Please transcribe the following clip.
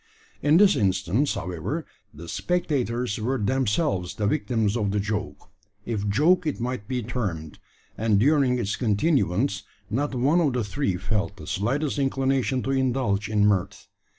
In this instance, however, the spectators were themselves the victims of the joke if joke it might be termed and during its continuance, not one of the three felt the slightest inclination to indulge in mirth.